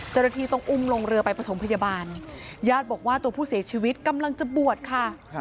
เจ้าหน้าที่ต้องอุ้มลงเรือไปประถมพยาบาลญาติบอกว่าตัวผู้เสียชีวิตกำลังจะบวชค่ะ